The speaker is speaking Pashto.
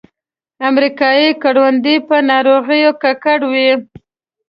امریکایي کروندې په ناروغیو ککړې وې.